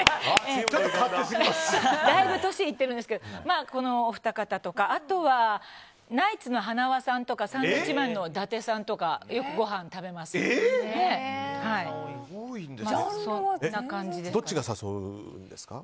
だいぶ年いってるんですけどこのお二方とか。あとはナイツの塙さんとかサンドウィッチマンの伊達さんとかどっちが誘うんですか？